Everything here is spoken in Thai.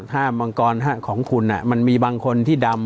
ห้ามมังกรของคุณมันมีบางคนที่ดำ